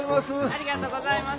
ありがとうございます。